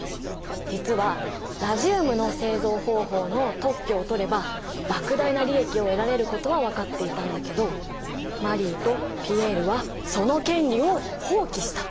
実はラジウムの製造方法の特許を取ればばく大な利益を得られることは分かっていたんだけどマリーとピエールはその権利を放棄した。